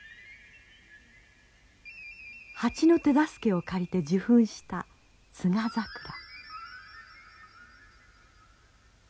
ハチの手助けを借りて受粉したツガザクラ。